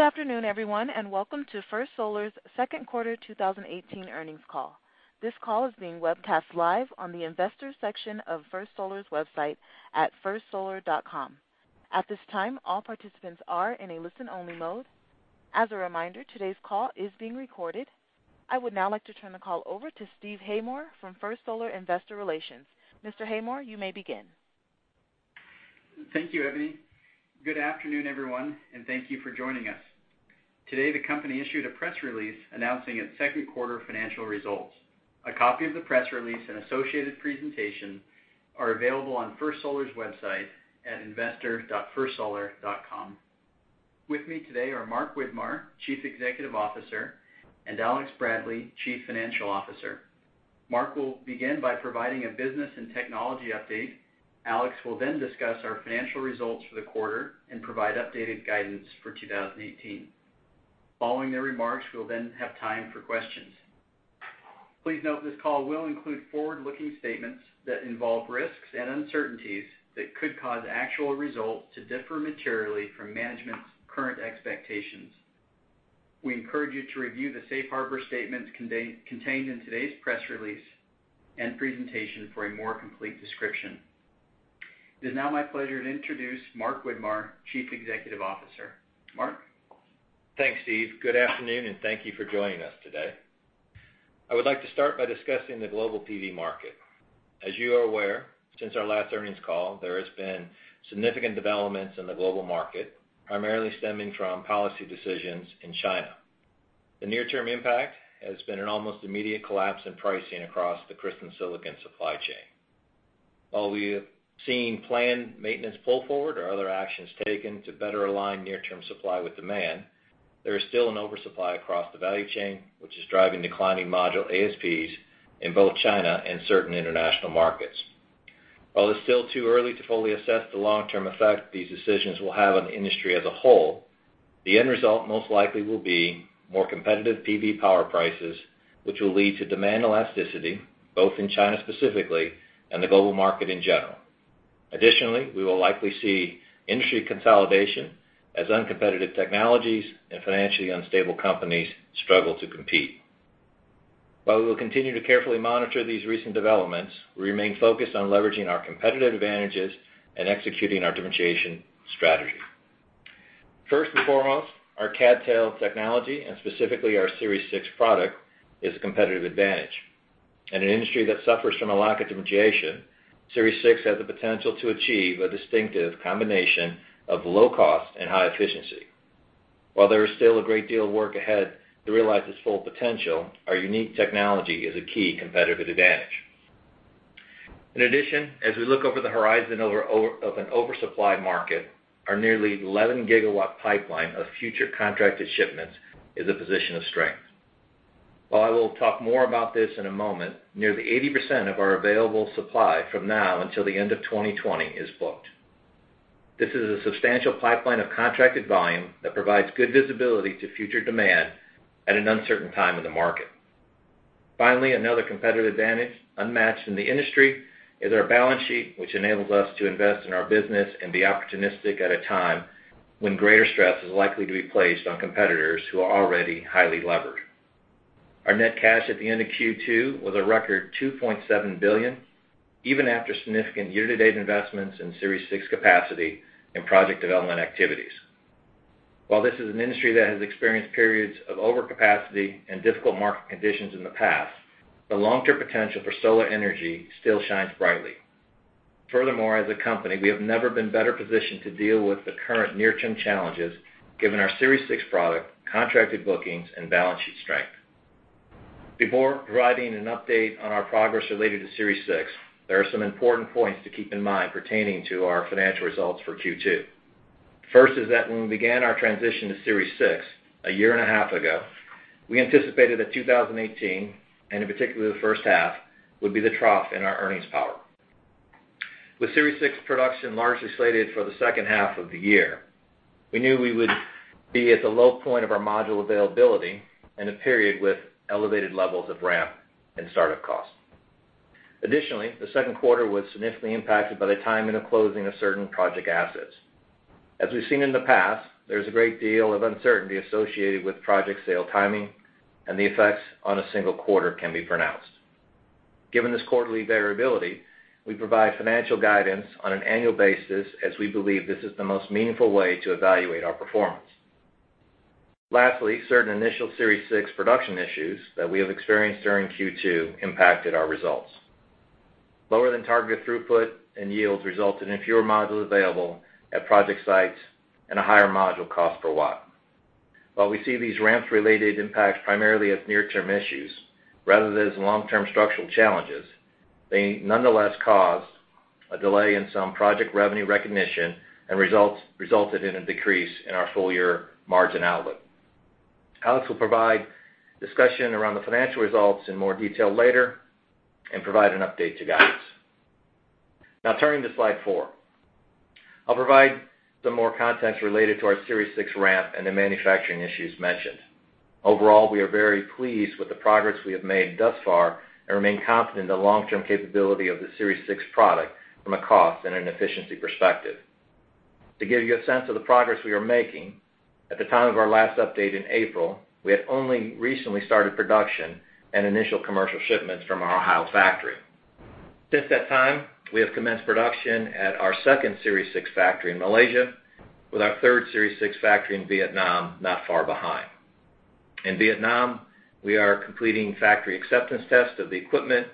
Good afternoon, everyone, and welcome to First Solar's second quarter 2018 earnings call. This call is being webcast live on the Investors section of firstsolar.com. At this time, all participants are in a listen-only mode. As a reminder, today's call is being recorded. I would now like to turn the call over to Stephen Haymore from First Solar Investor Relations. Mr. Haymore, you may begin. Thank you, Abby. Good afternoon, everyone, thank you for joining us. Today, the company issued a press release announcing its second quarter financial results. A copy of the press release and associated presentation are available on First Solar's website at investor.firstsolar.com. With me today are Mark Widmar, Chief Executive Officer, and Alexander Bradley, Chief Financial Officer. Mark will begin by providing a business and technology update. Alex will discuss our financial results for the quarter and provide updated guidance for 2018. Following their remarks, we'll have time for questions. Please note this call will include forward-looking statements that involve risks and uncertainties that could cause actual results to differ materially from management's current expectations. We encourage you to review the safe harbor statements contained in today's press release and presentation for a more complete description. It is now my pleasure to introduce Mark Widmar, Chief Executive Officer. Mark? Thanks, Steve. Good afternoon, thank you for joining us today. I would like to start by discussing the global PV market. As you are aware, since our last earnings call, there has been significant developments in the global market, primarily stemming from policy decisions in China. The near-term impact has been an almost immediate collapse in pricing across the crystalline silicon supply chain. While we have seen planned maintenance pull forward or other actions taken to better align near-term supply with demand, there is still an oversupply across the value chain, which is driving declining module ASPs in both China and certain international markets. While it's still too early to fully assess the long-term effect these decisions will have on the industry as a whole, the end result most likely will be more competitive PV power prices, which will lead to demand elasticity both in China specifically and the global market in general. Additionally, we will likely see industry consolidation as uncompetitive technologies and financially unstable companies struggle to compete. While we will continue to carefully monitor these recent developments, we remain focused on leveraging our competitive advantages and executing our differentiation strategy. First and foremost, our CdTe technology, and specifically our Series 6 product, is a competitive advantage. In an industry that suffers from a lack of differentiation, Series 6 has the potential to achieve a distinctive combination of low cost and high efficiency. While there is still a great deal of work ahead to realize its full potential, our unique technology is a key competitive advantage. In addition, as we look over the horizon of an oversupplied market, our nearly 11-gigawatt pipeline of future contracted shipments is a position of strength. While I will talk more about this in a moment, nearly 80% of our available supply from now until the end of 2020 is booked. This is a substantial pipeline of contracted volume that provides good visibility to future demand at an uncertain time in the market. Finally, another competitive advantage unmatched in the industry is our balance sheet, which enables us to invest in our business and be opportunistic at a time when greater stress is likely to be placed on competitors who are already highly levered. Our net cash at the end of Q2 was a record $2.7 billion, even after significant year-to-date investments in Series 6 capacity and project development activities. While this is an industry that has experienced periods of overcapacity and difficult market conditions in the past, the long-term potential for solar energy still shines brightly. Furthermore, as a company, we have never been better positioned to deal with the current near-term challenges given our Series 6 product, contracted bookings, and balance sheet strength. Before providing an update on our progress related to Series 6, there are some important points to keep in mind pertaining to our financial results for Q2. First is that when we began our transition to Series 6 a year and a half ago, we anticipated that 2018, and in particular the first half, would be the trough in our earnings power. With Series 6 production largely slated for the second half of the year, we knew we would be at the low point of our module availability and a period with elevated levels of ramp and startup costs. Additionally, the second quarter was significantly impacted by the timing of closing of certain project assets. As we've seen in the past, there's a great deal of uncertainty associated with project sale timing, and the effects on a single quarter can be pronounced. Given this quarterly variability, we provide financial guidance on an annual basis as we believe this is the most meaningful way to evaluate our performance. Lastly, certain initial Series 6 production issues that we have experienced during Q2 impacted our results. Lower-than-targeted throughput and yields resulted in fewer modules available at project sites and a higher module cost per watt. While we see these ramps-related impacts primarily as near-term issues rather than as long-term structural challenges, they nonetheless caused a delay in some project revenue recognition and resulted in a decrease in our full-year margin outlook. Alex will provide discussion around the financial results in more detail later and provide an update to guidance. Now, turning to slide four. I'll provide some more context related to our Series 6 ramp and the manufacturing issues mentioned. Overall, we are very pleased with the progress we have made thus far and remain confident in the long-term capability of the Series 6 product from a cost and an efficiency perspective. To give you a sense of the progress we are making, at the time of our last update in April, we had only recently started production and initial commercial shipments from our Ohio factory. Since that time, we have commenced production at our second Series 6 factory in Malaysia, with our third Series 6 factory in Vietnam not far behind. In Vietnam, we are completing factory acceptance tests of the equipment,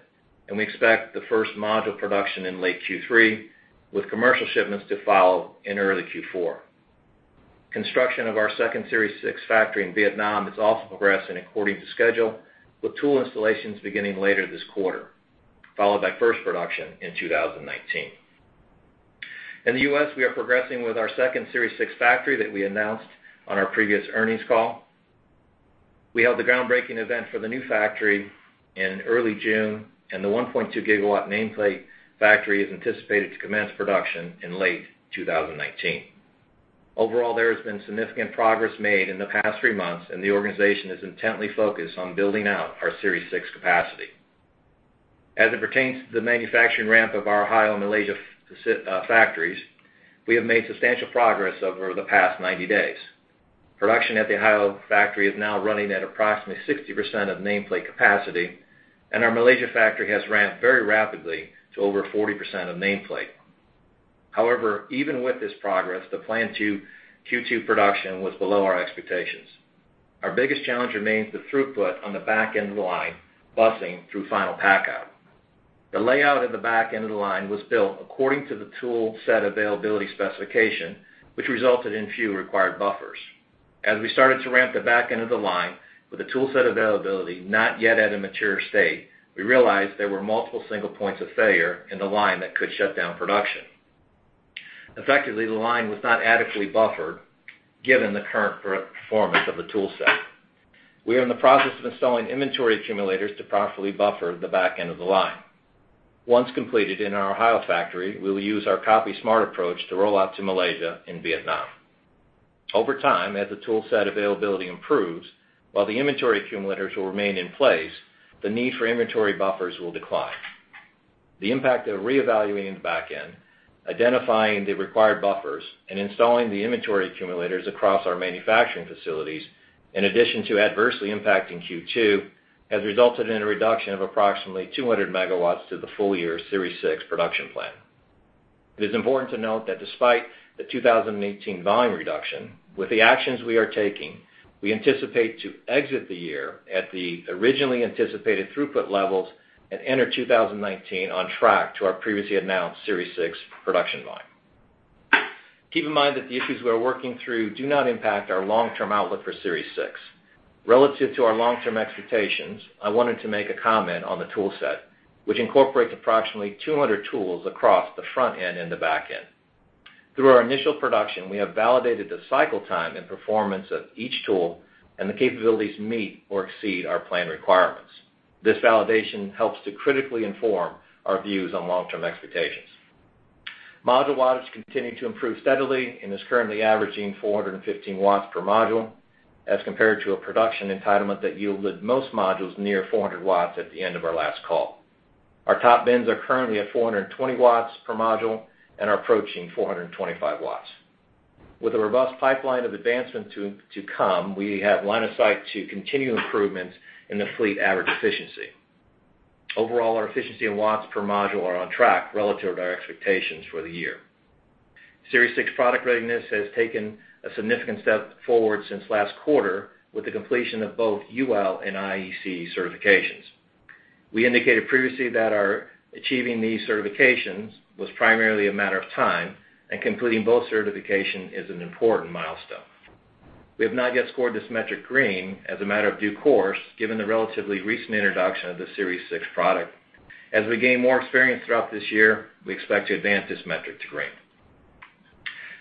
we expect the first module production in late Q3, with commercial shipments to follow in early Q4. Construction of our second Series 6 factory in Vietnam is also progressing according to schedule, with tool installations beginning later this quarter, followed by first production in 2019. In the U.S., we are progressing with our second Series 6 factory that we announced on our previous earnings call. We held the groundbreaking event for the new factory in early June, and the 1.2-gigawatt nameplate factory is anticipated to commence production in late 2019. Overall, there has been significant progress made in the past three months, the organization is intently focused on building out our Series 6 capacity. As it pertains to the manufacturing ramp of our Ohio and Malaysia factories, we have made substantial progress over the past 90 days. Production at the Ohio factory is now running at approximately 60% of nameplate capacity, our Malaysia factory has ramped very rapidly to over 40% of nameplate. Even with this progress, the planned Q2 production was below our expectations. Our biggest challenge remains the throughput on the back end of the line, bussing through final pack-out. The layout of the back end of the line was built according to the tool set availability specification, which resulted in few required buffers. As we started to ramp the back end of the line with the tool set availability not yet at a mature state, we realized there were multiple single points of failure in the line that could shut down production. Effectively, the line was not adequately buffered given the current performance of the tool set. We are in the process of installing inventory accumulators to properly buffer the back end of the line. Once completed in our Ohio factory, we will use our Copy Smart approach to roll out to Malaysia and Vietnam. Over time, as the tool set availability improves, while the inventory accumulators will remain in place, the need for inventory buffers will decline. The impact of reevaluating the back end, identifying the required buffers, and installing the inventory accumulators across our manufacturing facilities, in addition to adversely impacting Q2, has resulted in a reduction of approximately 200 MW to the full-year Series 6 production plan. It is important to note that despite the 2018 volume reduction, with the actions we are taking, we anticipate to exit the year at the originally anticipated throughput levels and enter 2019 on track to our previously announced Series 6 production volume. Keep in mind that the issues we are working through do not impact our long-term outlook for Series 6. Relative to our long-term expectations, I wanted to make a comment on the tool set, which incorporates approximately 200 tools across the front end and the back end. Through our initial production, we have validated the cycle time and performance of each tool. The capabilities meet or exceed our plan requirements. This validation helps to critically inform our views on long-term expectations. Module wattage continued to improve steadily and is currently averaging 415 watts per module, as compared to a production entitlement that yielded most modules near 400 watts at the end of our last call. Our top bins are currently at 420 watts per module and are approaching 425 watts. With a robust pipeline of advancement to come, we have line of sight to continued improvements in the fleet average efficiency. Overall, our efficiency and watts per module are on track relative to our expectations for the year. Series 6 product readiness has taken a significant step forward since last quarter with the completion of both UL and IEC certifications. We indicated previously that our achieving these certifications was primarily a matter of time. Completing both certification is an important milestone. We have not yet scored this metric green as a matter of due course, given the relatively recent introduction of the Series 6 product. As we gain more experience throughout this year, we expect to advance this metric to green.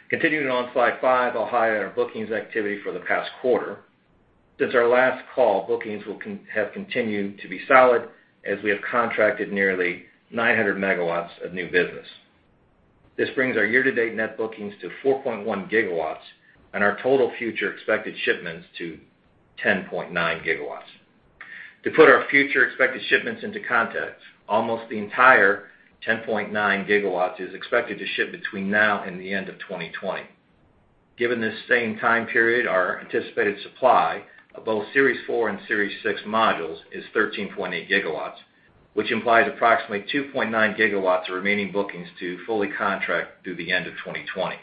Continuing on slide five, I'll highlight our bookings activity for the past quarter. Since our last call, bookings have continued to be solid as we have contracted nearly 900 megawatts of new business. This brings our year-to-date net bookings to 4.1 gigawatts and our total future expected shipments to 10.9 gigawatts. To put our future expected shipments into context, almost the entire 10.9 gigawatts is expected to ship between now and the end of 2020. Given this same time period, our anticipated supply of both Series 4 and Series 6 modules is 13.8 gigawatts, which implies approximately 2.9 gigawatts of remaining bookings to fully contract through the end of 2020.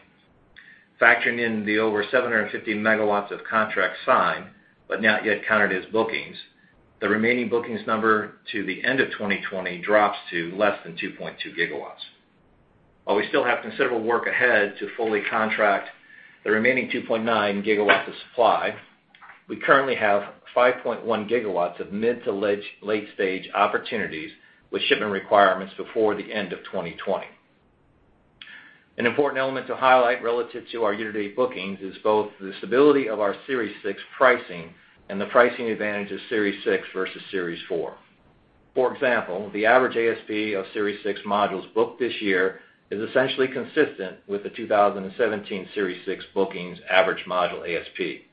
Factoring in the over 750 megawatts of contracts signed but not yet counted as bookings, the remaining bookings number to the end of 2020 drops to less than 2.2 gigawatts. While we still have considerable work ahead to fully contract the remaining 2.9 gigawatts of supply, we currently have 5.1 gigawatts of mid to late-stage opportunities with shipment requirements before the end of 2020. An important element to highlight relative to our year-to-date bookings is both the stability of our Series 6 pricing and the pricing advantage of Series 6 versus Series 4. For example, the average ASP of Series 6 modules booked this year is essentially consistent with the 2017 Series 6 bookings average module ASP.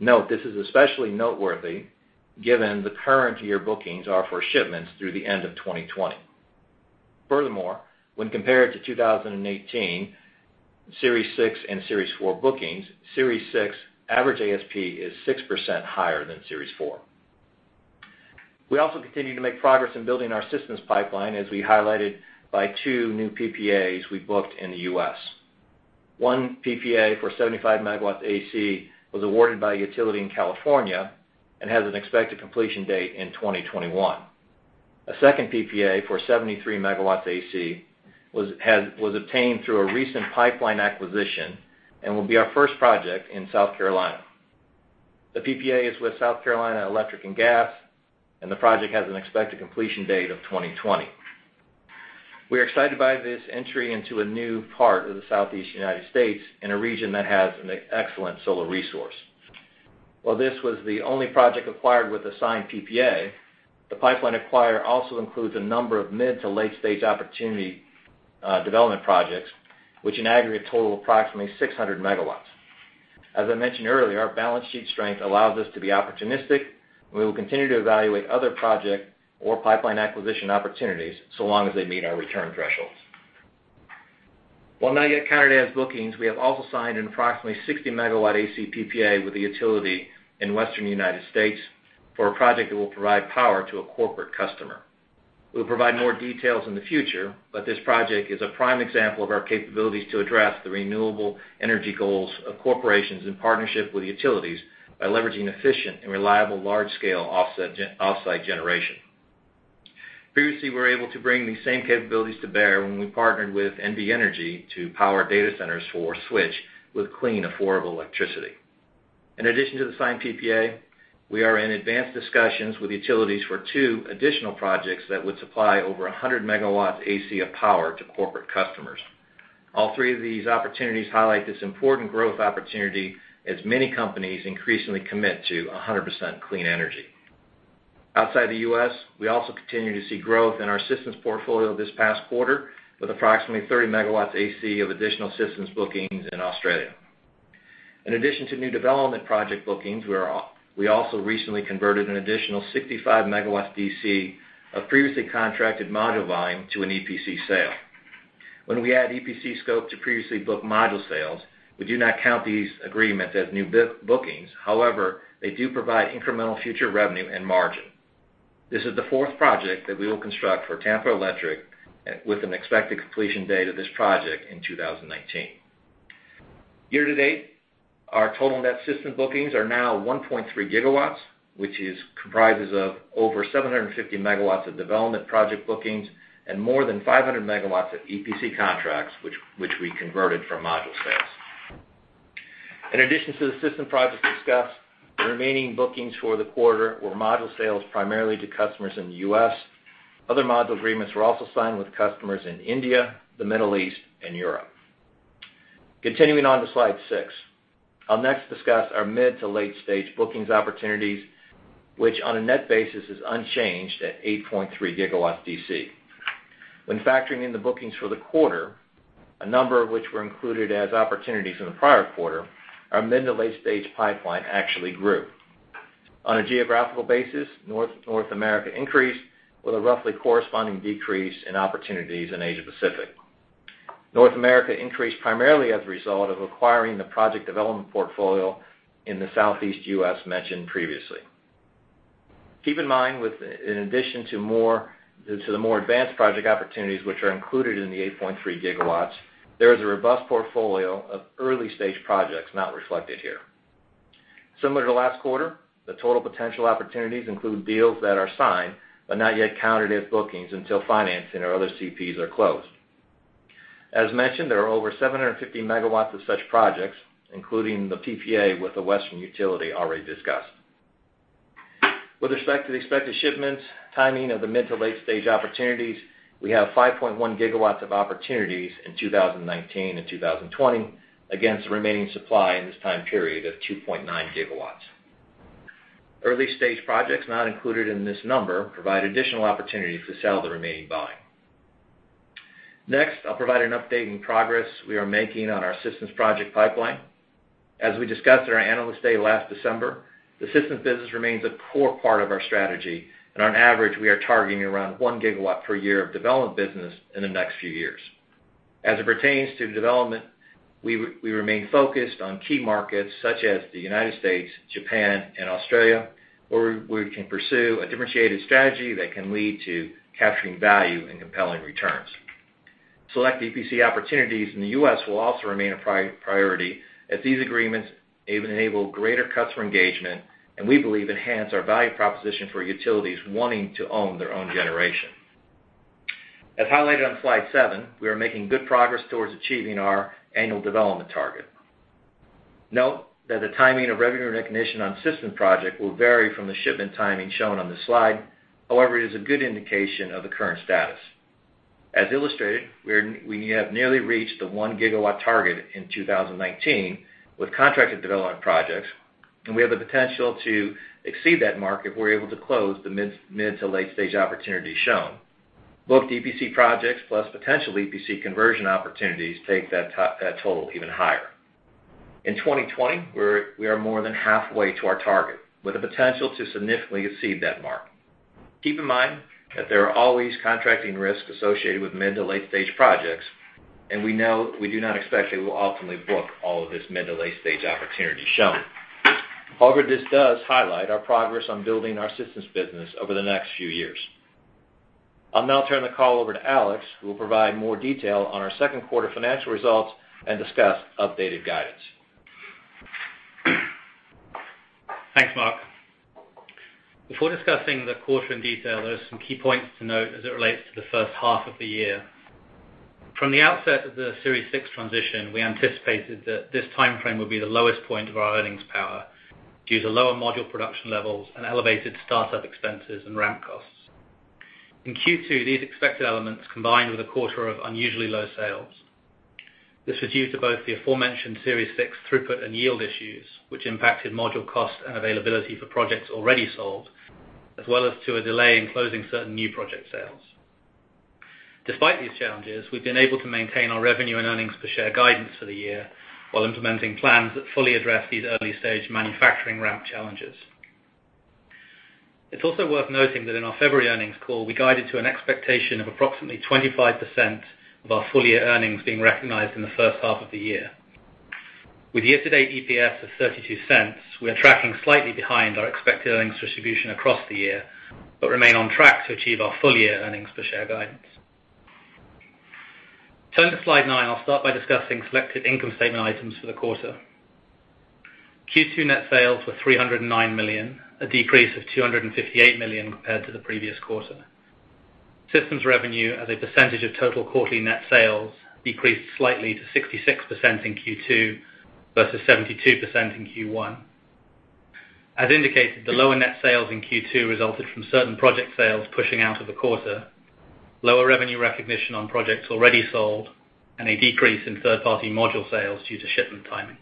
Note, this is especially noteworthy given the current year bookings are for shipments through the end of 2020. When compared to 2018, Series 6 and Series 4 bookings, Series 6 average ASP is 6% higher than Series 4. We also continue to make progress in building our systems pipeline, as we highlighted by two new PPAs we booked in the U.S. One PPA for 75 megawatts AC was awarded by a utility in California and has an expected completion date in 2021. A second PPA for 73 megawatts AC was obtained through a recent pipeline acquisition and will be our first project in South Carolina. The PPA is with South Carolina Electric & Gas, and the project has an expected completion date of 2020. We are excited by this entry into a new part of the Southeast U.S. in a region that has an excellent solar resource. While this was the only project acquired with assigned PPA, the pipeline acquired also includes a number of mid to late-stage opportunity development projects, which in aggregate total approximately 600 MW. As I mentioned earlier, our balance sheet strength allows us to be opportunistic, and we will continue to evaluate other project or pipeline acquisition opportunities so long as they meet our return thresholds. While not yet counted as bookings, we have also signed an approximately 60 MW AC PPA with the utility in Western U.S. for a project that will provide power to a corporate customer. We'll provide more details in the future, but this project is a prime example of our capabilities to address the renewable energy goals of corporations in partnership with utilities by leveraging efficient and reliable large-scale offsite generation. Previously, we were able to bring these same capabilities to bear when we partnered with NV Energy to power data centers for Switch with clean, affordable electricity. In addition to the signed PPA, we are in advanced discussions with utilities for two additional projects that would supply over 100 MW AC of power to corporate customers. All three of these opportunities highlight this important growth opportunity as many companies increasingly commit to 100% clean energy. Outside the U.S., we also continue to see growth in our systems portfolio this past quarter with approximately 30 MW AC of additional systems bookings in Australia. In addition to new development project bookings, we also recently converted an additional 65 MW DC of previously contracted module volume to an EPC sale. When we add EPC scope to previously booked module sales, we do not count these agreements as new bookings. However, they do provide incremental future revenue and margin. This is the fourth project that we will construct for Tampa Electric with an expected completion date of this project in 2019. Year to date, our total net system bookings are now 1.3 GW, which comprises of over 750 MW of development project bookings and more than 500 MW of EPC contracts, which we converted from module sales. In addition to the system projects discussed, the remaining bookings for the quarter were module sales primarily to customers in the U.S. Other module agreements were also signed with customers in India, the Middle East, and Europe. Continuing on to slide six. I'll next discuss our mid to late-stage bookings opportunities, which on a net basis is unchanged at 8.3 GW DC. When factoring in the bookings for the quarter, a number of which were included as opportunities in the prior quarter, our mid to late stage pipeline actually grew. On a geographical basis, North America increased with a roughly corresponding decrease in opportunities in Asia Pacific. North America increased primarily as a result of acquiring the project development portfolio in the Southeast U.S. mentioned previously. Keep in mind, in addition to the more advanced project opportunities, which are included in the 8.3 GW, there is a robust portfolio of early-stage projects not reflected here. Similar to last quarter, the total potential opportunities include deals that are signed but not yet counted as bookings until financing or other CPs are closed. As mentioned, there are over 750 megawatts of such projects, including the PPA with the Western utility already discussed. With respect to the expected shipments, timing of the mid to late-stage opportunities, we have 5.1 gigawatts of opportunities in 2019 and 2020 against the remaining supply in this time period of 2.9 gigawatts. Early-stage projects not included in this number provide additional opportunities to sell the remaining volume. Next, I'll provide an update in progress we are making on our systems project pipeline. As we discussed at our Analyst Day last December, the systems business remains a core part of our strategy, and on average, we are targeting around one gigawatt per year of development business in the next few years. As it pertains to development, we remain focused on key markets such as the United States, Japan, and Australia, where we can pursue a differentiated strategy that can lead to capturing value and compelling returns. Select EPC opportunities in the U.S. will also remain a priority as these agreements enable greater customer engagement and we believe enhance our value proposition for utilities wanting to own their own generation. As highlighted on slide seven, we are making good progress towards achieving our annual development target. Note that the timing of revenue recognition on systems project will vary from the shipment timing shown on this slide. However, it is a good indication of the current status. As illustrated, we have nearly reached the one gigawatt target in 2019 with contracted development projects, and we have the potential to exceed that mark if we're able to close the mid to late-stage opportunities shown. Both EPC projects plus potential EPC conversion opportunities take that total even higher. In 2020, we are more than halfway to our target, with the potential to significantly exceed that mark. Keep in mind that there are always contracting risks associated with mid to late-stage projects, and we do not expect that we'll ultimately book all of this mid to late-stage opportunities shown. However, this does highlight our progress on building our systems business over the next few years. I'll now turn the call over to Alex, who will provide more detail on our second quarter financial results and discuss updated guidance. Thanks, Mark. Before discussing the quarter in detail, there are some key points to note as it relates to the first half of the year. From the outset of the Series 6 transition, we anticipated that this timeframe would be the lowest point of our earnings power due to lower module production levels and elevated startup expenses and ramp costs. In Q2, these expected elements combined with a quarter of unusually low sales. This was due to both the aforementioned Series 6 throughput and yield issues, which impacted module costs and availability for projects already sold, as well as to a delay in closing certain new project sales. Despite these challenges, we've been able to maintain our revenue and earnings per share guidance for the year while implementing plans that fully address these early-stage manufacturing ramp challenges. It's also worth noting that in our February earnings call, we guided to an expectation of approximately 25% of our full-year earnings being recognized in the first half of the year. With year-to-date EPS of $0.32, we are tracking slightly behind our expected earnings distribution across the year, but remain on track to achieve our full-year earnings per share guidance. Turning to slide nine, I'll start by discussing selected income statement items for the quarter. Q2 net sales were $309 million, a decrease of $258 million compared to the previous quarter. Systems revenue as a percentage of total quarterly net sales decreased slightly to 66% in Q2 versus 72% in Q1. As indicated, the lower net sales in Q2 resulted from certain project sales pushing out of the quarter, lower revenue recognition on projects already sold, and a decrease in third-party module sales due to shipment timing.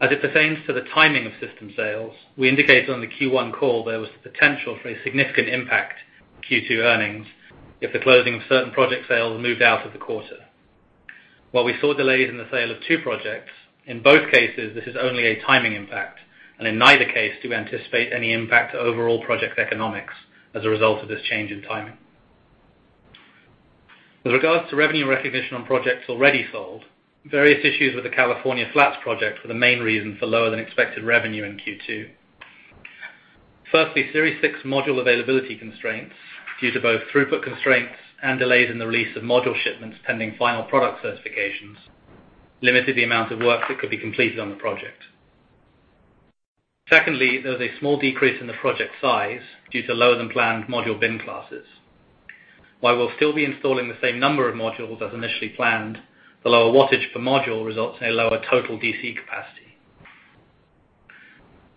As it pertains to the timing of systems sales, we indicated on the Q1 call there was the potential for a significant impact on Q2 earnings if the closing of certain project sales moved out of the quarter. While we saw delays in the sale of two projects, in both cases, this is only a timing impact, and in neither case do we anticipate any impact to overall project economics as a result of this change in timing. With regards to revenue recognition on projects already sold, various issues with the California Flats project were the main reason for lower than expected revenue in Q2. Firstly, Series 6 module availability constraints, due to both throughput constraints and delays in the release of module shipments pending final product certifications, limited the amount of work that could be completed on the project. Secondly, there was a small decrease in the project size due to lower than planned module bin classes. While we'll still be installing the same number of modules as initially planned, the lower wattage per module results in a lower total DC capacity.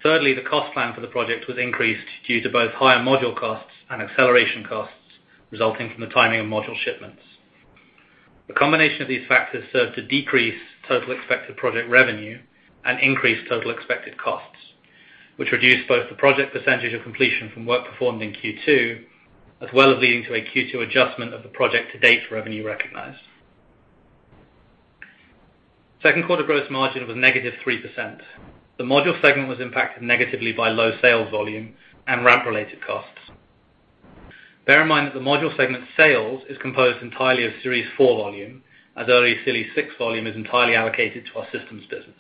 Thirdly, the cost plan for the project was increased due to both higher module costs and acceleration costs resulting from the timing of module shipments. The combination of these factors served to decrease total expected project revenue and increase total expected costs, which reduced both the project percentage of completion from work performed in Q2, as well as leading to a Q2 adjustment of the project to date for revenue recognized. Second quarter gross margin was negative 3%. The module segment was impacted negatively by low sales volume and ramp-related costs. Bear in mind that the module segment sales is composed entirely of Series 4 volume, as early Series 6 volume is entirely allocated to our systems business.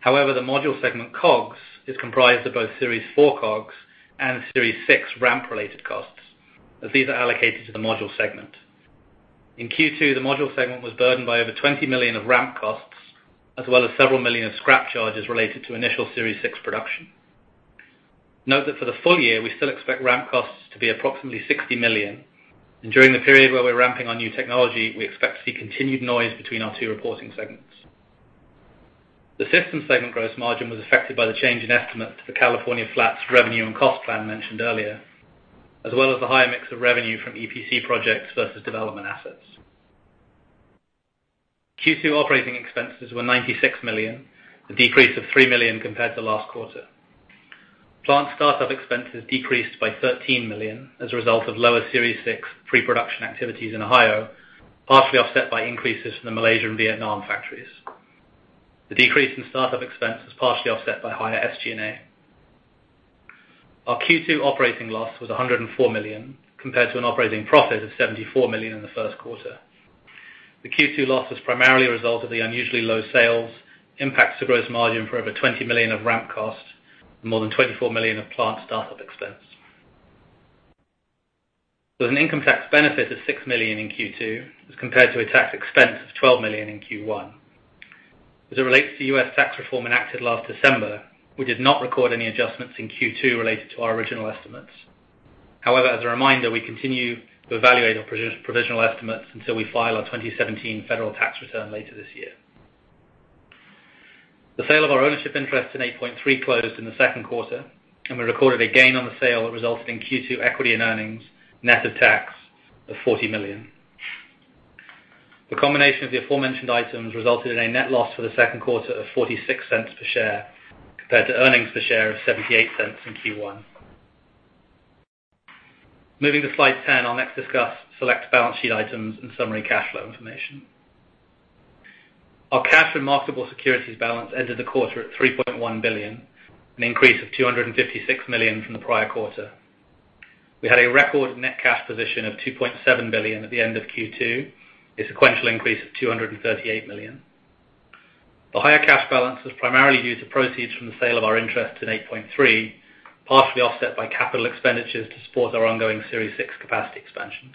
However, the module segment COGS is comprised of both Series 4 COGS and Series 6 ramp-related costs, as these are allocated to the module segment. In Q2, the module segment was burdened by over $20 million of ramp costs, as well as several million of scrap charges related to initial Series 6 production. Note that for the full year, we still expect ramp costs to be approximately $60 million, and during the period where we're ramping our new technology, we expect to see continued noise between our two reporting segments. The systems segment gross margin was affected by the change in estimates for California Flats revenue and cost plan mentioned earlier, as well as the higher mix of revenue from EPC projects versus development assets. Q2 operating expenses were $96 million, a decrease of $3 million compared to last quarter. Plant startup expenses decreased by $13 million as a result of lower Series 6 pre-production activities in Ohio, partially offset by increases from the Malaysia and Vietnam factories. The decrease in startup expense was partially offset by higher SG&A. Our Q2 operating loss was $104 million, compared to an operating profit of $74 million in the first quarter. The Q2 loss was primarily a result of the unusually low sales, impacts to gross margin for over $20 million of ramp costs, and more than $24 million of plant startup expense. There was an income tax benefit of $6 million in Q2 as compared to a tax expense of $12 million in Q1. As it relates to U.S. tax reform enacted last December, we did not record any adjustments in Q2 related to our original estimates. However, as a reminder, we continue to evaluate our provisional estimates until we file our 2017 federal tax return later this year. The sale of our ownership interest in 8point3 closed in the second quarter, and we recorded a gain on the sale that resulted in Q2 equity and earnings, net of tax of $40 million. The combination of the aforementioned items resulted in a net loss for the second quarter of $0.46 per share, compared to earnings per share of $0.78 in Q1. Moving to slide 10, I'll next discuss select balance sheet items and summary cash flow information. Our cash and marketable securities balance ended the quarter at $3.1 billion, an increase of $256 million from the prior quarter. We had a record net cash position of $2.7 billion at the end of Q2, a sequential increase of $238 million. The higher cash balance was primarily due to proceeds from the sale of our interest in 8point3, partially offset by capital expenditures to support our ongoing Series 6 capacity expansion.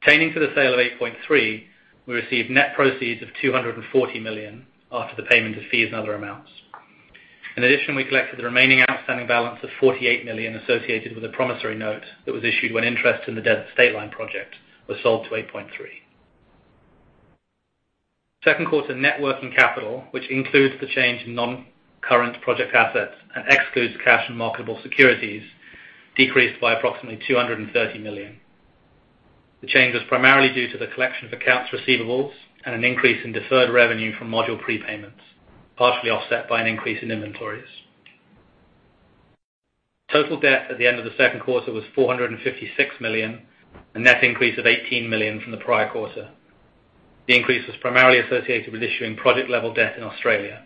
Pertaining to the sale of 8point3, we received net proceeds of $240 million after the payment of fees and other amounts. We collected the remaining outstanding balance of $48 million associated with a promissory note that was issued when interest in the Desert Stateline project was sold to 8point3. Second quarter net working capital, which includes the change in non-current project assets and excludes cash and marketable securities, decreased by approximately $230 million. The change was primarily due to the collection of accounts receivables and an increase in deferred revenue from module prepayments, partially offset by an increase in inventories. Total debt at the end of the second quarter was $456 million, a net increase of $18 million from the prior quarter. The increase was primarily associated with issuing project-level debt in Australia.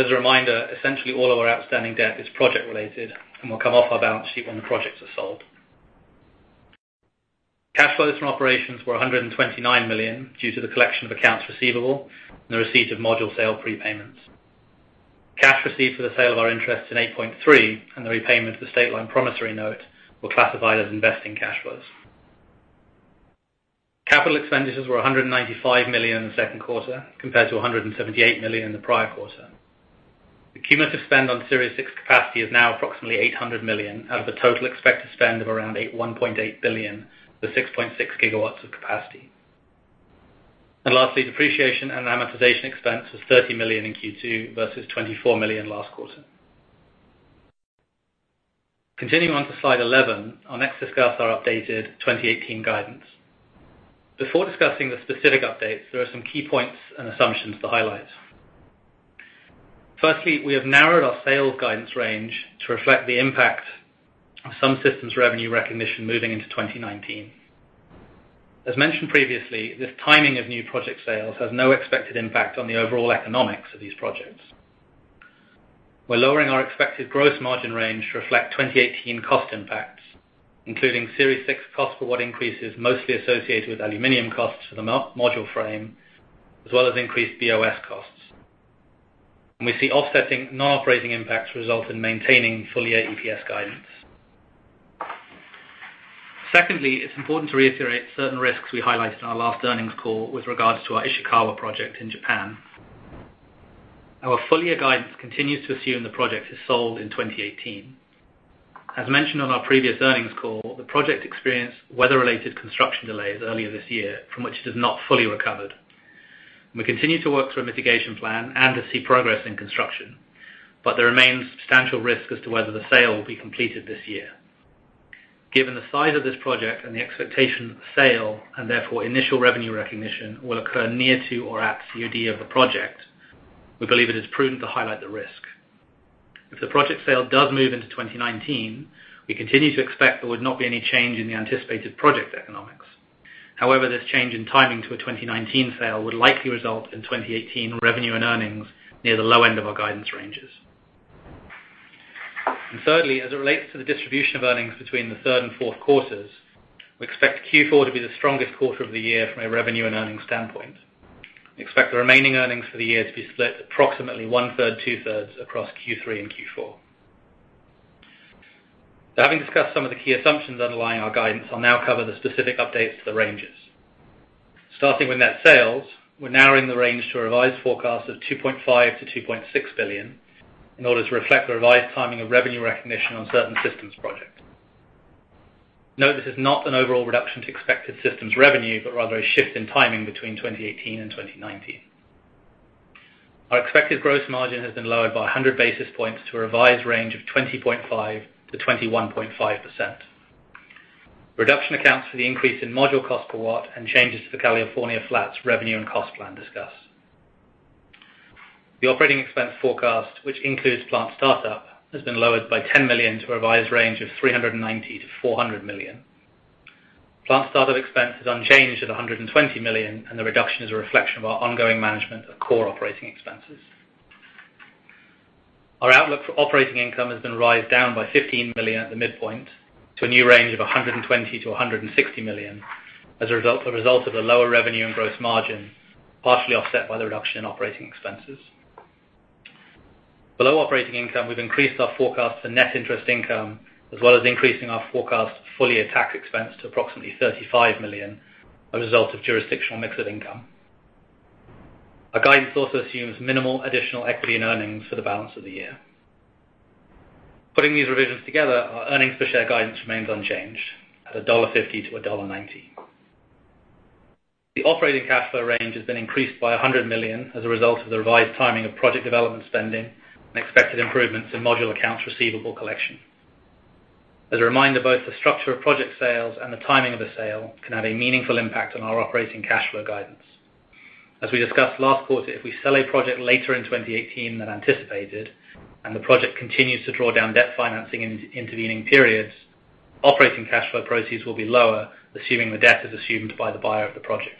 As a reminder, essentially all of our outstanding debt is project-related and will come off our balance sheet when the projects are sold. Cash flows from operations were $129 million due to the collection of accounts receivable and the receipt of module sale prepayments. Cash received for the sale of our interest in 8point3 and the repayment of the Stateline promissory note were classified as investing cash flows. Capital expenditures were $195 million in the second quarter, compared to $178 million in the prior quarter. The cumulative spend on Series 6 capacity is now approximately $800 million out of a total expected spend of around $1.8 billion for 6.6 gigawatts of capacity. Lastly, depreciation and amortization expense was $30 million in Q2 versus $24 million last quarter. Continuing on to slide 11, I will next discuss our updated 2018 guidance. Before discussing the specific updates, there are some key points and assumptions to highlight. Firstly, we have narrowed our sales guidance range to reflect the impact of some systems revenue recognition moving into 2019. As mentioned previously, this timing of new project sales has no expected impact on the overall economics of these projects. We are lowering our expected gross margin range to reflect 2018 cost impacts, including Series 6 cost per watt increases, mostly associated with aluminum costs for the module frame, as well as increased BoS costs. We see offsetting non-operating impacts result in maintaining full-year EPS guidance. Secondly, it is important to reiterate certain risks we highlighted in our last earnings call with regards to our Ishikawa project in Japan. Our full-year guidance continues to assume the project is sold in 2018. As mentioned on our previous earnings call, the project experienced weather-related construction delays earlier this year, from which it has not fully recovered. We continue to work through a mitigation plan and to see progress in construction. There remains substantial risk as to whether the sale will be completed this year. Given the size of this project and the expectation that the sale, and therefore initial revenue recognition, will occur near to or at COD of the project, we believe it is prudent to highlight the risk. If the project sale does move into 2019, we continue to expect there would not be any change in the anticipated project economics. However, this change in timing to a 2019 sale would likely result in 2018 revenue and earnings near the low end of our guidance ranges. Thirdly, as it relates to the distribution of earnings between the third and fourth quarters, we expect Q4 to be the strongest quarter of the year from a revenue and earnings standpoint. We expect the remaining earnings for the year to be split approximately one third, two thirds across Q3 and Q4. Having discussed some of the key assumptions underlying our guidance, I will now cover the specific updates to the ranges. Starting with net sales, we are narrowing the range to a revised forecast of $2.5 billion-$2.6 billion in order to reflect the revised timing of revenue recognition on certain systems projects. Note, this is not an overall reduction to expected systems revenue, but rather a shift in timing between 2018 and 2019. Our expected gross margin has been lowered by 100 basis points to a revised range of 20.5%-21.5%. Reduction accounts for the increase in module cost per watt and changes to the California Flats revenue and cost plan discussed. The operating expense forecast, which includes plant start-up, has been lowered by $10 million to a revised range of $390 million-$400 million. Plant start-up expense is unchanged at $120 million, the reduction is a reflection of our ongoing management of core operating expenses. Our outlook for operating income has been revised down by $15 million at the midpoint to a new range of $120 million-$160 million, as a result of the lower revenue and gross margin, partially offset by the reduction in operating expenses. Below operating income, we've increased our forecast for net interest income, as well as increasing our forecast full-year tax expense to approximately $35 million, a result of jurisdictional mix of income. Our guidance also assumes minimal additional equity and earnings for the balance of the year. Putting these revisions together, our earnings per share guidance remains unchanged at $1.50-$1.90. The operating cash flow range has been increased by $100 million as a result of the revised timing of project development spending and expected improvements in module accounts receivable collection. As a reminder, both the structure of project sales and the timing of a sale can have a meaningful impact on our operating cash flow guidance. As we discussed last quarter, if we sell a project later in 2018 than anticipated, the project continues to draw down debt financing in intervening periods, operating cash flow proceeds will be lower, assuming the debt is assumed by the buyer of the project.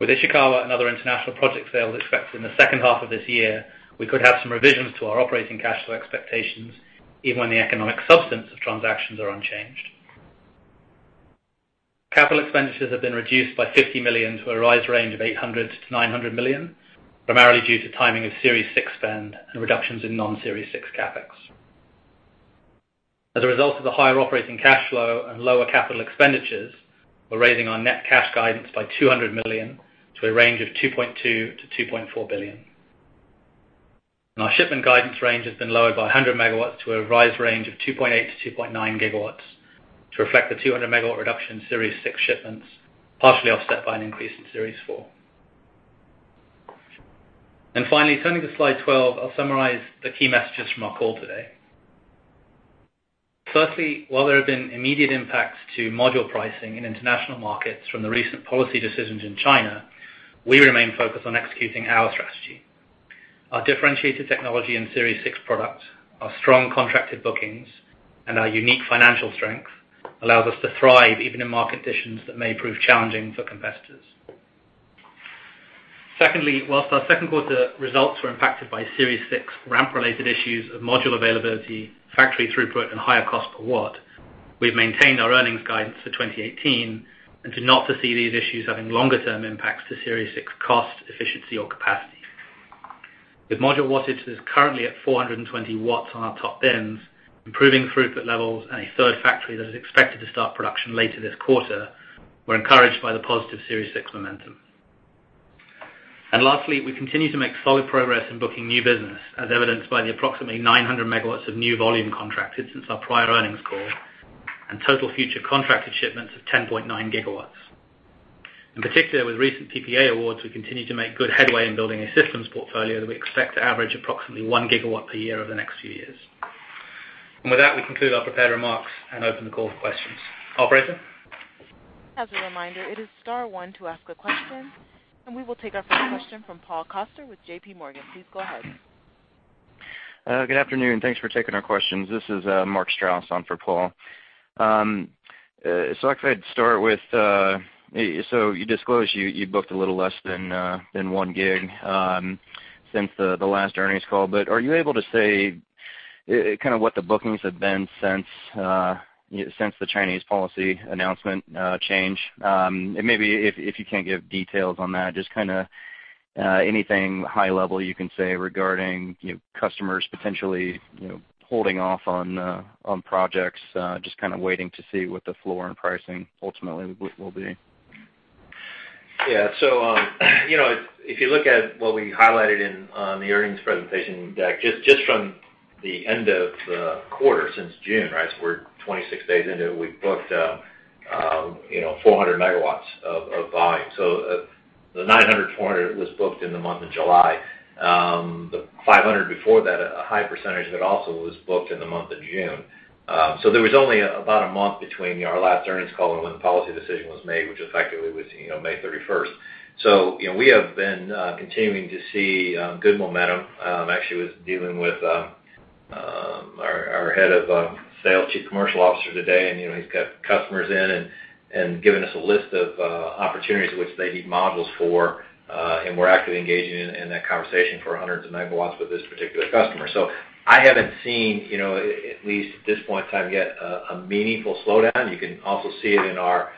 With Ishikawa and other international project sales expected in the second half of this year, we could have some revisions to our operating cash flow expectations, even when the economic substance of transactions are unchanged. Capital expenditures have been reduced by $50 million to a revised range of $800 million-$900 million, primarily due to timing of Series 6 spend and reductions in non-Series 6 CapEx. As a result of the higher operating cash flow and lower capital expenditures, we're raising our net cash guidance by $200 million to a range of $2.2 billion-$2.4 billion. Our shipment guidance range has been lowered by 100 megawatts to a revised range of 2.8 gigawatts-2.9 gigawatts to reflect the 200-megawatt reduction in Series 6 shipments, partially offset by an increase in Series 4. Finally, turning to slide 12, I'll summarize the key messages from our call today. Firstly, while there have been immediate impacts to module pricing in international markets from the recent policy decisions in China, we remain focused on executing our strategy. Our differentiated technology in Series 6 products, our strong contracted bookings, and our unique financial strength allows us to thrive even in market conditions that may prove challenging for competitors. Secondly, whilst our second quarter results were impacted by Series 6 ramp-related issues of module availability, factory throughput, and higher cost per watt, we've maintained our earnings guidance for 2018 and do not foresee these issues having longer-term impacts to Series 6 cost, efficiency, or capacity. With module wattage that is currently at 420 watts on our top bins, improving throughput levels at a third factory that is expected to start production later this quarter, we're encouraged by the positive Series 6 momentum. Lastly, we continue to make solid progress in booking new business, as evidenced by the approximately 900 megawatts of new volume contracted since our prior earnings call, and total future contracted shipments of 10.9 gigawatts. In particular, with recent PPA awards, we continue to make good headway in building a systems portfolio that we expect to average approximately one gigawatt per year over the next few years. With that, we conclude our prepared remarks and open the call for questions. Operator? As a reminder, it is star one to ask a question. We will take our first question from Paul Coster with JPMorgan. Please go ahead. Good afternoon. Thanks for taking our questions. This is Mark Strouse on for Paul. I'd like to start with, so you disclosed you booked a little less than one gig since the last earnings call. Are you able to say what the bookings have been since the Chinese policy announcement change? Maybe if you can't give details on that, just anything high level you can say regarding customers potentially holding off on projects, just waiting to see what the floor and pricing ultimately will be. Yeah. If you look at what we highlighted in the earnings presentation deck, just from the end of the quarter, since June, so we're 26 days into it, we've booked 400 megawatts of volume. The 900, 400 was booked in the month of July. The 500 before that, a high percentage of it also was booked in the month of June. There was only about a month between our last earnings call and when the policy decision was made, which effectively was May 31st. We have been continuing to see good momentum. I actually was dealing with our head of sales, chief commercial officer today, and he's got customers in and given us a list of opportunities which they need modules for, and we're actively engaging in that conversation for hundreds of megawatts with this particular customer. I haven't seen, at least at this point in time yet, a meaningful slowdown. You can also see it in our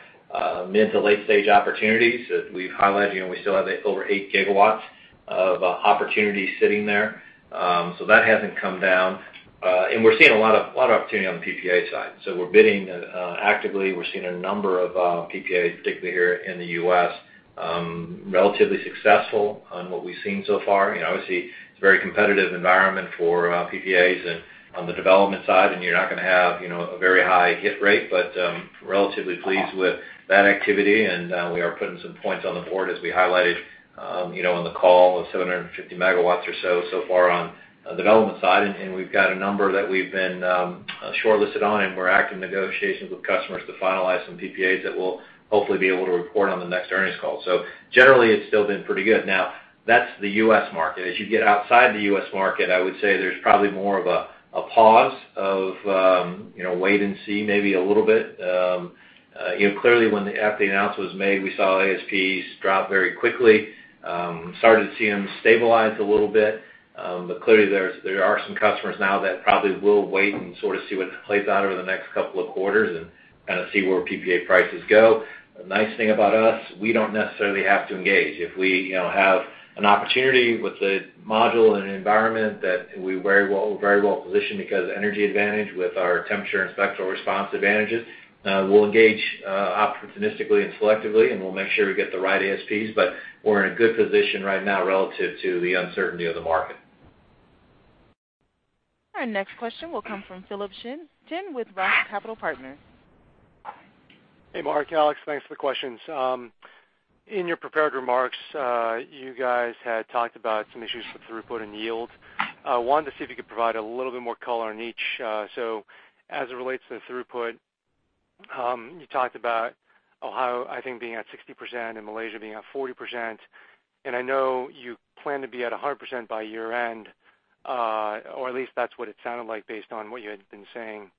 mid to late-stage opportunities. As we've highlighted, we still have over 8 gigawatts of opportunities sitting there. That hasn't come down. We're seeing a lot of opportunity on the PPA side. We're bidding actively. We're seeing a number of PPAs, particularly here in the U.S., relatively successful on what we've seen so far. Obviously, it's a very competitive environment for PPAs on the development side, you're not going to have a very high hit rate, but relatively pleased with that activity. We are putting some points on the board, as we highlighted on the call, of 750 megawatts or so far on the development side. We've got a number that we've been shortlisted on, we're in active negotiations with customers to finalize some PPAs that we'll hopefully be able to report on the next earnings call. Generally, it's still been pretty good. Now, that's the U.S. market. As you get outside the U.S. market, I would say there's probably more of a pause of wait and see maybe a little bit. Clearly, after the announcement was made, we saw ASPs drop very quickly. We started to see them stabilize a little bit. Clearly, there are some customers now that probably will wait and sort of see what plays out over the next couple of quarters and kind of see where PPA prices go. The nice thing about us, we don't necessarily have to engage. If we have an opportunity with a module in an environment that we're very well-positioned because of energy advantage with our temperature and spectral response advantages, we'll engage opportunistically and selectively, we'll make sure we get the right ASPs. We're in a good position right now relative to the uncertainty of the market. Our next question will come from Philip Shen with ROTH Capital Partners. Mark, Alex. Thanks for the questions. In your prepared remarks, you guys had talked about some issues with throughput and yield. Wanted to see if you could provide a little bit more color on each. As it relates to the throughput, you talked about Ohio, I think, being at 60% and Malaysia being at 40%, and I know you plan to be at 100% by year-end, or at least that's what it sounded like based on what you had been saying.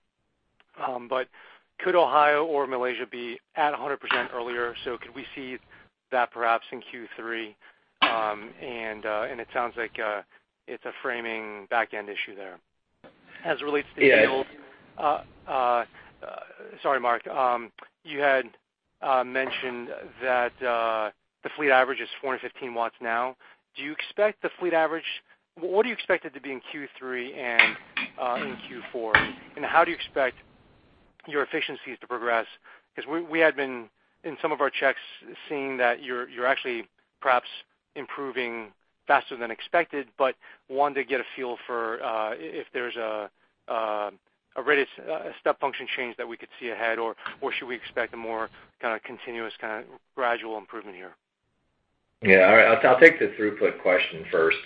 Could Ohio or Malaysia be at 100% earlier? Could we see that perhaps in Q3? It sounds like it's a framing back-end issue there. As it relates to yield- It is sorry, Mark. You had mentioned that the fleet average is 415 watts now. Do you expect the fleet average what do you expect it to be in Q3 and in Q4? How do you expect your efficiencies to progress? We had been, in some of our checks, seeing that you're actually perhaps improving faster than expected, but wanted to get a feel for if there's a step function change that we could see ahead, or should we expect a more kind of continuous kind of gradual improvement here? Yeah. I'll take the throughput question first.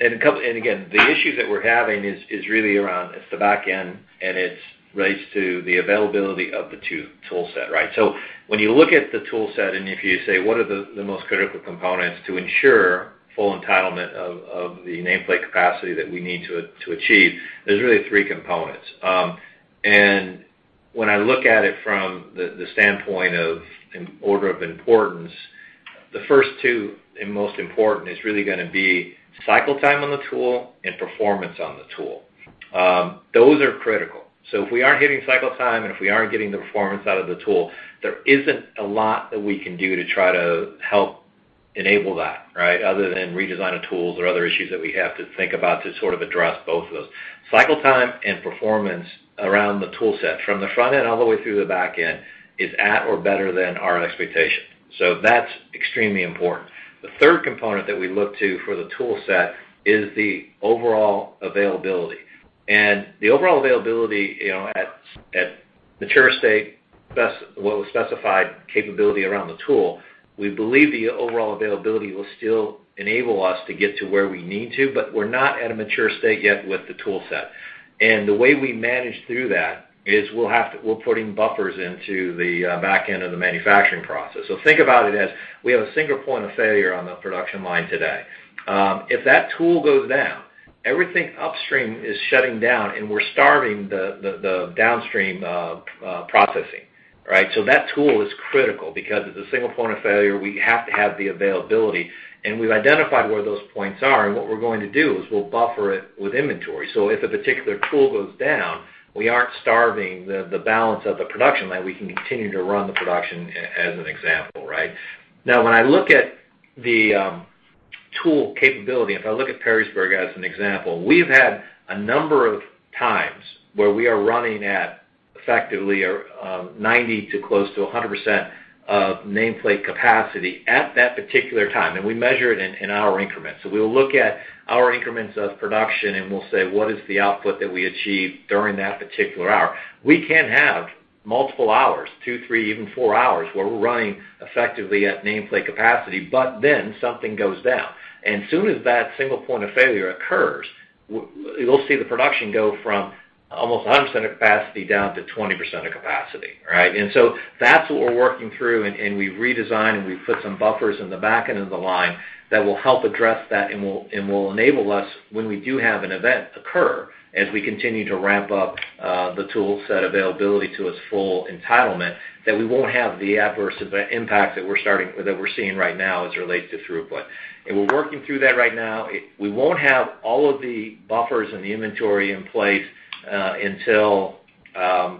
Again, the issue that we're having is really around, it's the back end, and it relates to the availability of the tool set. When you look at the tool set, and if you say, what are the most critical components to ensure full entitlement of the nameplate capacity that we need to achieve, there's really three components. When I look at it from the standpoint of in order of importance, the first two and most important is really gonna be cycle time on the tool and performance on the tool. Those are critical. If we aren't hitting cycle time, if we aren't getting the performance out of the tool, there isn't a lot that we can do to try to help enable that other than redesign the tools or other issues that we have to think about to sort of address both of those. Cycle time and performance around the tool set from the front end all the way through the back end is at or better than our expectation. That's extremely important. The third component that we look to for the tool set is the overall availability. The overall availability at mature state, well, specified capability around the tool, we believe the overall availability will still enable us to get to where we need to, but we're not at a mature state yet with the tool set. The way we manage through that is we're putting buffers into the back end of the manufacturing process. Think about it as we have a single point of failure on the production line today. If that tool goes down, everything upstream is shutting down, and we're starving the downstream processing. That tool is critical because it's a single point of failure. We have to have the availability, we've identified where those points are, what we're going to do is we'll buffer it with inventory. If a particular tool goes down, we aren't starving the balance of the production line. We can continue to run the production as an example. When I look at the tool capability, if I look at Perrysburg as an example, we've had a number of times where we are running at effectively 90%-100% of nameplate capacity at that particular time, and we measure it in hour increments. We'll look at hour increments of production, and we'll say, what is the output that we achieved during that particular hour? We can have multiple hours, two, three, even four hours, where we're running effectively at nameplate capacity, something goes down. As soon as that single point of failure occurs, you'll see the production go from almost 100% of capacity down to 20% of capacity. That's what we're working through, we've redesigned, we've put some buffers in the back end of the line that will help address that and will enable us when we do have an event occur, as we continue to ramp up the tool set availability to its full entitlement, that we won't have the adverse impact that we're seeing right now as it relates to throughput. We're working through that right now. We won't have all of the buffers and the inventory in place until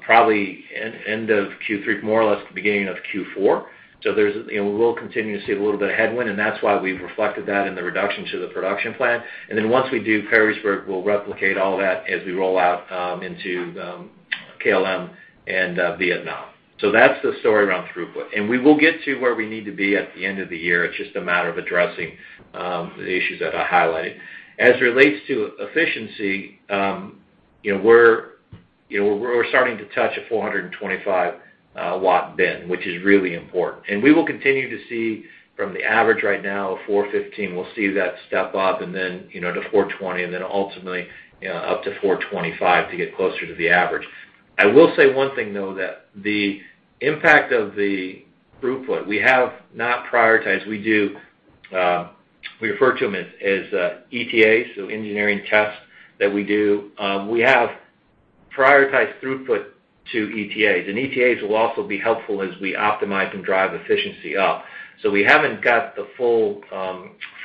probably end of Q3, more or less the beginning of Q4. We will continue to see a little bit of headwind, that's why we've reflected that in the reduction to the production plan. Once we do Perrysburg, we'll replicate all that as we roll out into Kulim and Vietnam. That's the story around throughput. We will get to where we need to be at the end of the year. It is just a matter of addressing the issues that I highlighted. As it relates to efficiency, we are starting to touch a 425 W bin, which is really important. We will continue to see from the average right now of 415, we will see that step up and then to 420, and then ultimately up to 425 to get closer to the average. I will say one thing, though, that the impact of the throughput, we have not prioritized. We refer to them as ETAs, so engineering tests that we do. We have prioritized throughput to ETAs, and ETAs will also be helpful as we optimize and drive efficiency up. We have not got the full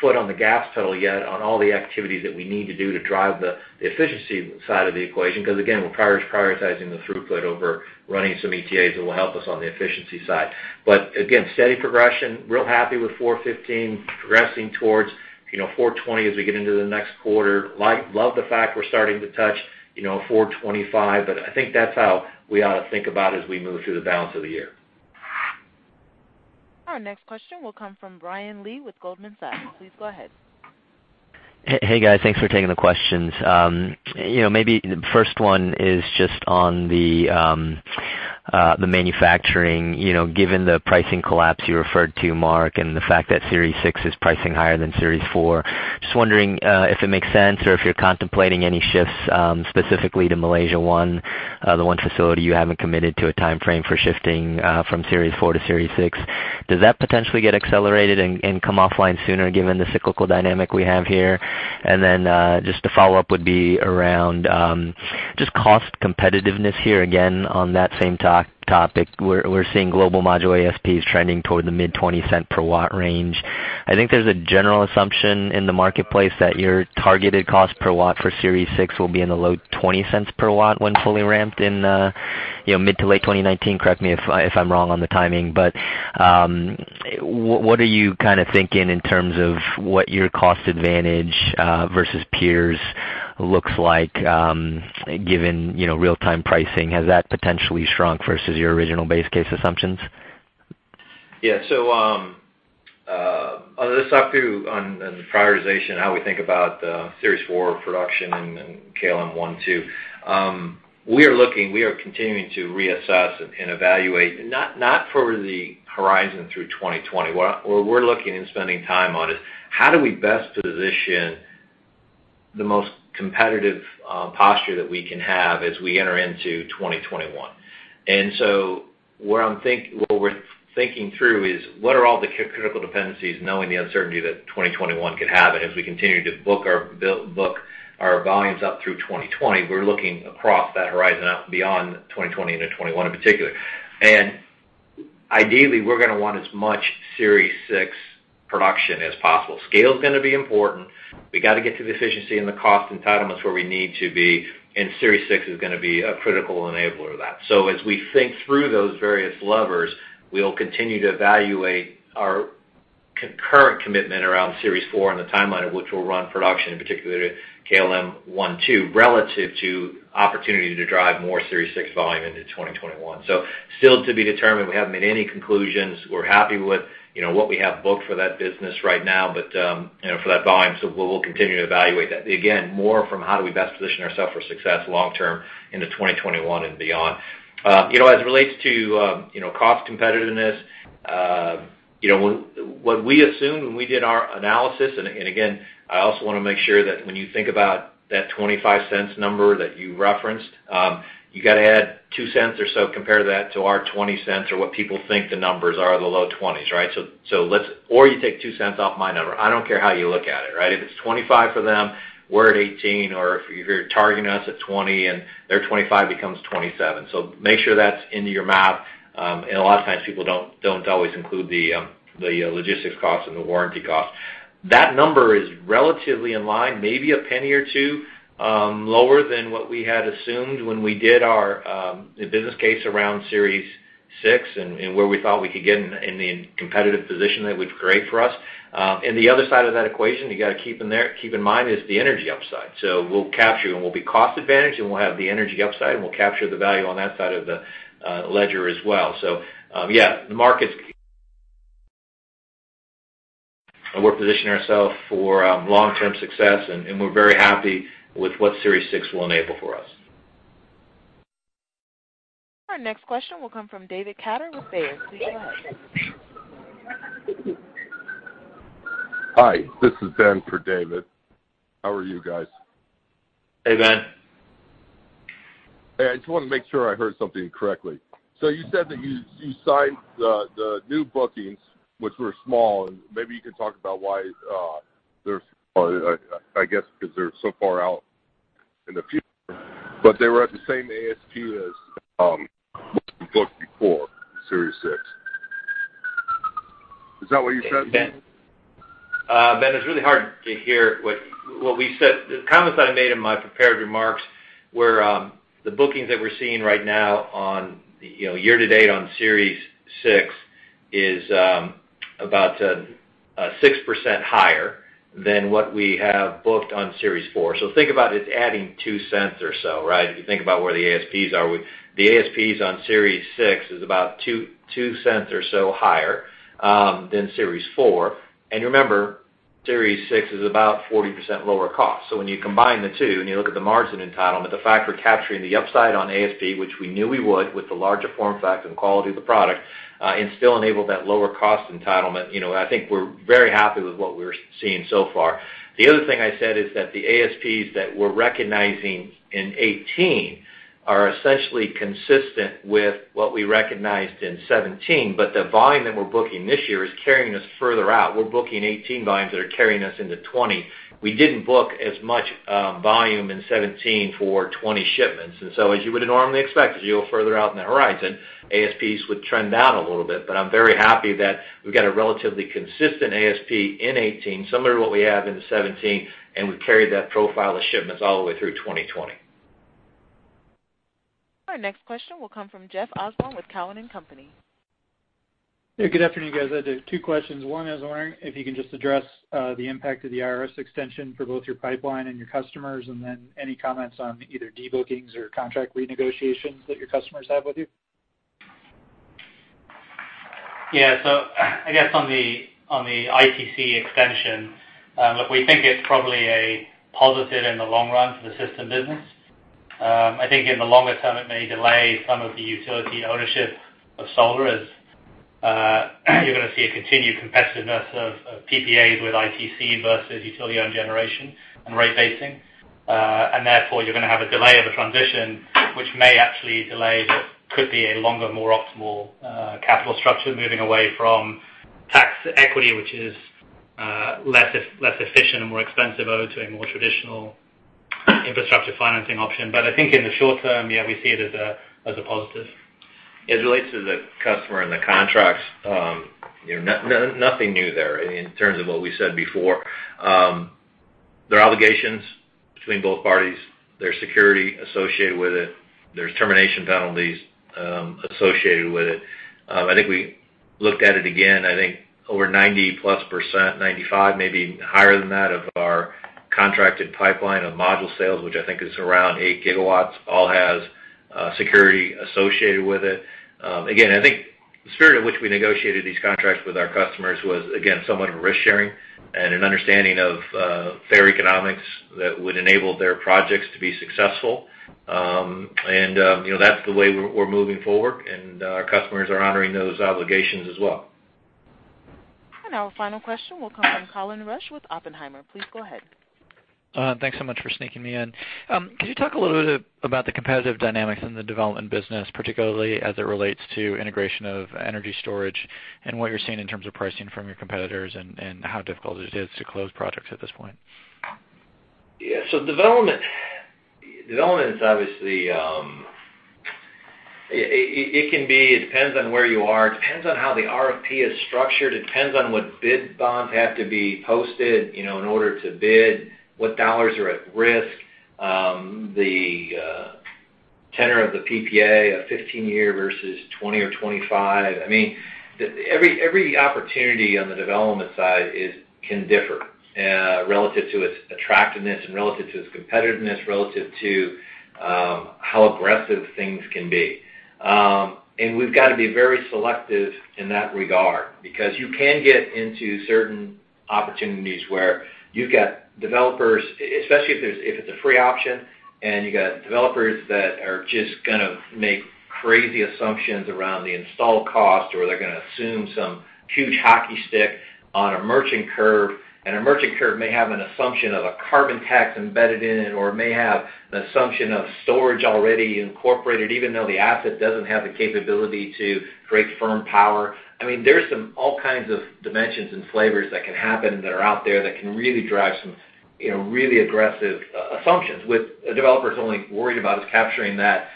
foot on the gas pedal yet on all the activities that we need to do to drive the efficiency side of the equation because, again, we are prioritizing the throughput over running some ETAs that will help us on the efficiency side. Again, steady progression, really happy with 415, progressing towards 420 as we get into the next quarter. Love the fact we are starting to touch 425, that is how we ought to think about as we move through the balance of the year. Our next question will come from Brian Lee with Goldman Sachs. Please go ahead. Hey, guys. Thanks for taking the questions. Maybe the first one is just on the manufacturing. Given the pricing collapse you referred to, Mark, and the fact that Series 6 is pricing higher than Series 4, just wondering if it makes sense or if you are contemplating any shifts, specifically to Malaysia 1, the one facility you have not committed to a timeframe for shifting from Series 4 to Series 6. Does that potentially get accelerated and come offline sooner given the cyclical dynamic we have here? Then just a follow-up would be around just cost competitiveness here. Again, on that same topic, we are seeing global module ASPs trending toward the mid $0.20 per W range. I think there's a general assumption in the marketplace that your targeted cost per watt for Series 6 will be in the low $0.20s per watt when fully ramped in mid to late 2019. Correct me if I'm wrong on the timing, what are you thinking in terms of what your cost advantage versus peers looks like given real time pricing? Has that potentially shrunk versus your original base case assumptions? I'll just talk through on the prioritization, how we think about Series 4 production and Kulim 1.2GW. We are continuing to reassess and evaluate, not for the horizon through 2020. Where we're looking and spending time on is how do we best position the most competitive posture that we can have as we enter into 2021. What we're thinking through is what are all the critical dependencies, knowing the uncertainty that 2021 could have. As we continue to book our volumes up through 2020, we're looking across that horizon out beyond 2020 into 2021 in particular. Ideally, we're going to want as much Series 6 production as possible. Scale's going to be important. We got to get to the efficiency and the cost entitlements where we need to be, and Series 6 is going to be a critical enabler of that. As we think through those various levers, we'll continue to evaluate our concurrent commitment around Series 4 and the timeline at which we'll run production, in particular Kulim 1.2GW, relative to opportunity to drive more Series 6 volume into 2021. Still to be determined. We haven't made any conclusions. We're happy with what we have booked for that business right now, for that volume. We'll continue to evaluate that. Again, more from how do we best position ourself for success long term into 2021 and beyond. As it relates to cost competitiveness, what we assumed when we did our analysis, I also want to make sure that when you think about that $0.25 number that you referenced, you got to add $0.02 or so, compare that to our $0.20 or what people think the numbers are, the low $0.20s, right? You take $0.02 off my number. I don't care how you look at it, right? If it's 25 for them, we're at 18, or if you're targeting us at 20 and their 25 becomes 27. Make sure that's into your map. A lot of times people don't always include the logistics cost and the warranty cost. That number is relatively in line, maybe $0.01 or $0.02 lower than what we had assumed when we did our business case around Series 6 and where we thought we could get in the competitive position that was great for us. The other side of that equation, you got to keep in mind, is the energy upside. We'll capture and we'll be cost advantage, and we'll have the energy upside, and we'll capture the value on that side of the ledger as well. Yeah, we're positioning ourself for long-term success, and we're very happy with what Series 6 will enable for us. Our next question will come from David Katter with Baird. Please go ahead. Hi, this is Ben for David. How are you guys? Hey, Ben. I just wanted to make sure I heard something correctly. You said that you signed the new bookings, which were small, and maybe you can talk about why they're, I guess because they're so far out in the future, but they were at the same ASP as what you booked before Series 6. Is that what you said? Ben, it's really hard to hear what we said. The comments I made in my prepared remarks were the bookings that we're seeing right now on year-to-date on Series 6 is about 6% higher than what we have booked on Series 4. Think about it's adding $0.02 or so, right? If you think about where the ASPs are. The ASPs on Series 6 is about $0.02 or so higher than Series 4. Remember, Series 6 is about 40% lower cost. When you combine the two and you look at the margin entitlement, the fact we're capturing the upside on ASP, which we knew we would with the larger form factor and quality of the product, and still enable that lower cost entitlement, I think we're very happy with what we're seeing so far. The other thing I said is that the ASPs that we're recognizing in 2018 are essentially consistent with what we recognized in 2017, the volume that we're booking this year is carrying us further out. We're booking 2018 volumes that are carrying us into 2020. We didn't book as much volume in 2017 for 2020 shipments. As you would normally expect, as you go further out in the horizon, ASPs would trend down a little bit. I'm very happy that we've got a relatively consistent ASP in 2018, similar to what we have in the 2017, and we carried that profile of shipments all the way through 2020. Our next question will come from Jeffrey Osborne with Cowen and Company. Yeah. Good afternoon, guys. I have two questions. One, I was wondering if you can just address the impact of the ITC extension for both your pipeline and your customers, then any comments on either debookings or contract renegotiations that your customers have with you. Yeah. I guess on the ITC extension, look, we think it's probably a positive in the long run for the system business. I think in the longer term, it may delay some of the utility ownership of solar, as you're going to see a continued competitiveness of PPAs with ITC versus utility-owned generation and rate basing. Therefore, you're going to have a delay of a transition, which may actually delay what could be a longer, more optimal capital structure, moving away from tax equity, which is less efficient and more expensive owed to a more traditional infrastructure financing option. I think in the short term, yeah, we see it as a positive. As it relates to the customer and the contracts, nothing new there in terms of what we said before. There are obligations between both parties. There's security associated with it. There's termination penalties associated with it. I think we looked at it again. I think over 90%-plus, 95, maybe higher than that, of our contracted pipeline of module sales, which I think is around 8 gigawatts, all has security associated with it. Again, I think the spirit at which we negotiated these contracts with our customers was, again, somewhat of a risk-sharing and an understanding of fair economics that would enable their projects to be successful. That's the way we're moving forward, and our customers are honoring those obligations as well. Our final question will come from Colin Rusch with Oppenheimer. Please go ahead. Thanks so much for sneaking me in. Could you talk a little bit about the competitive dynamics in the development business, particularly as it relates to integration of energy storage and what you're seeing in terms of pricing from your competitors and how difficult it is to close projects at this point? Yeah. Development, obviously, it depends on where you are. It depends on how the RFP is structured. It depends on what bid bonds have to be posted in order to bid, what dollars are at risk. The tenor of the PPA, a 15-year versus 20 or 25. Every opportunity on the development side can differ relative to its attractiveness and relative to its competitiveness, relative to how aggressive things can be. We've got to be very selective in that regard, because you can get into certain opportunities where you've got developers, especially if it's a free option and you've got developers that are just going to make crazy assumptions around the install cost, or they're going to assume some huge hockey stick on a merchant curve. A merchant curve may have an assumption of a carbon tax embedded in it, or it may have an assumption of storage already incorporated, even though the asset doesn't have the capability to create firm power. There's all kinds of dimensions and flavors that can happen that are out there that can really drive some really aggressive assumptions, with developers only worried about is capturing that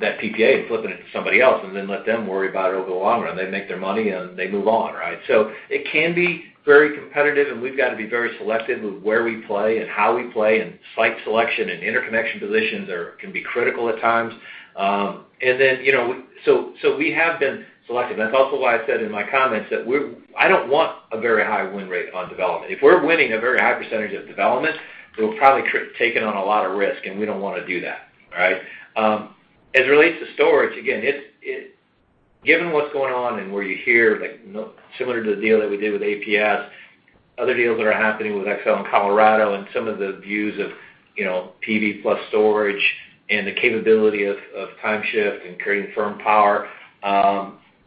PPA and flipping it to somebody else and then let them worry about it over the long run. They make their money, and they move on, right? It can be very competitive, and we've got to be very selective with where we play and how we play, and site selection and interconnection positions can be critical at times. We have been selective, and that's also why I said in my comments that I don't want a very high win rate on development. If we're winning a very high percentage of development, we're probably taking on a lot of risk, and we don't want to do that. As it relates to storage, again, given what's going on and where you hear, similar to the deal that we did with APS, other deals that are happening with Xcel in Colorado and some of the views of PV plus storage and the capability of time shift and creating firm power,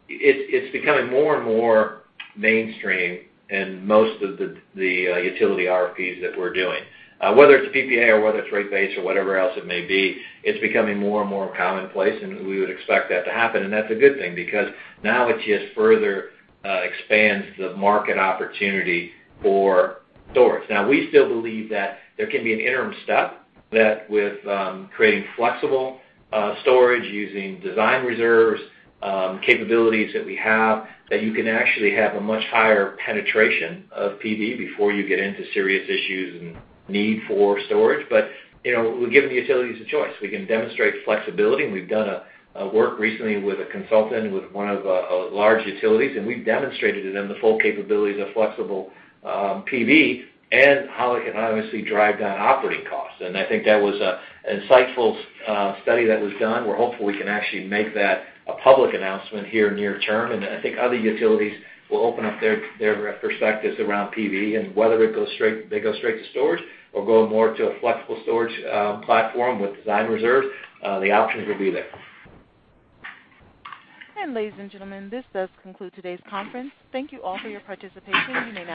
it's becoming more and more mainstream in most of the utility RFPs that we're doing. Whether it's a PPA or whether it's rate base or whatever else it may be, it's becoming more and more commonplace, and we would expect that to happen. That's a good thing, because now it just further expands the market opportunity for storage. We still believe that there can be an interim step that with creating flexible storage using design reserves, capabilities that we have, that you can actually have a much higher penetration of PV before you get into serious issues and need for storage. We're giving the utilities a choice. We can demonstrate flexibility, and we've done a work recently with a consultant with one of the large utilities, and we've demonstrated to them the full capabilities of flexible PV and how it can obviously drive down operating costs. I think that was an insightful study that was done. We're hopeful we can actually make that a public announcement here near term. I think other utilities will open up their perspectives around PV and whether they go straight to storage or go more to a flexible storage platform with design reserve, the options will be there. Ladies and gentlemen, this does conclude today's conference. Thank you all for your participation. You may now disconnect.